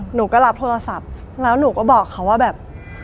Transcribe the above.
หนูก็รับโทรศัพท์แล้วหนูก็บอกเขาว่าแบบ